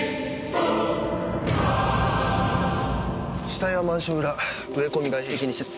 死体はマンション裏植え込み外壁に接。